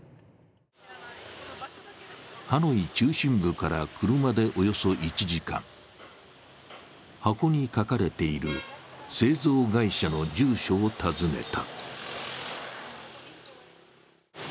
ハノイ中心部から車でおよそ１時間箱に書かれている製造会社の住所を訪ねた。